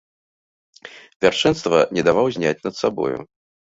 Вяршэнства не даваў зняць над сабою.